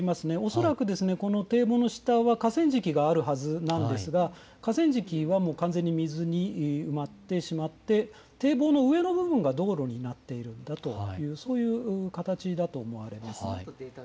恐らく堤防の下は河川敷があるはずなんですが河川敷は完全に水に埋まってしまって堤防の上の部分が道路になっているんだと、そういう形だと思われます。